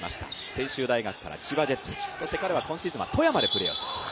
専修大学から千葉ジェッツ、そして彼は今シーズンは富山でプレーをしています。